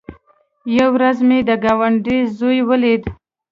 يوه ورځ مې د گاونډي زوى وليد.